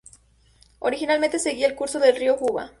Originalmente seguía el curso del río Juba.